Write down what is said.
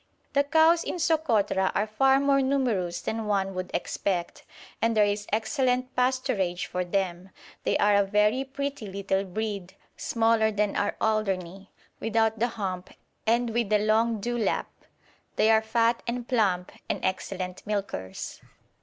The cows in Sokotra are far more numerous than one would expect, and there is excellent pasturage for them; they are a very pretty little breed, smaller than our Alderney, without the hump, and with the long dewlap; they are fat and plump, and excellent milkers.